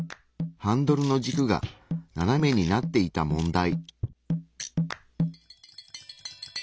ハンドルの軸が斜めになっていた問題。